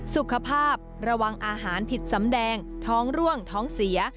สุขภาพระวังอาหารผิดสำแดงท้องร่วงท้องเสีย